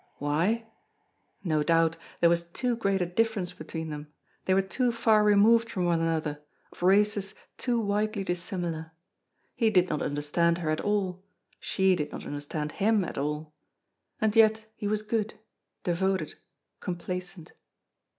Why? No doubt, there was too great a difference between them, they were too far removed from one another, of races too widely dissimilar. He did not understand her at all; she did not understand him at all. And yet he was good, devoted, complaisant.